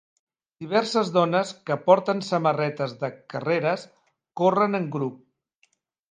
Diverses dones que porten samarretes de carreres corren en grup.